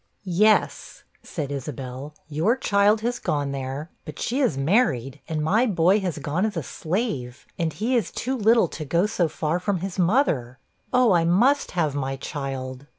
'Yes,' said Isabel, 'your child has gone there, but she is married, and my boy has gone as a slave, and he is too little to go so far from his mother. Oh, I must have my child.'